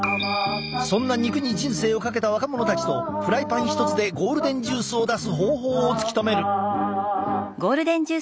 そんな肉に人生をかけた若者たちとフライパン１つでゴールデンジュースを出す方法を突き止める！